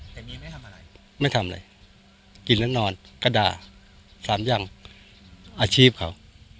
แต่มีไม่ทำอะไรไม่ทำอะไรกินแล้วนอนกระดาสามอย่างอาชีพเขา